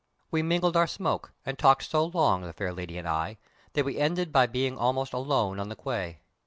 We mingled our smoke, and talked so long, the fair lady and I, that we ended by being almost alone on the quay.